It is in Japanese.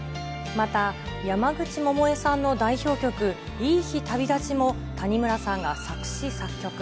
また、山口百恵さんの代表曲、いい日旅立ちも谷村さんが作詞作曲。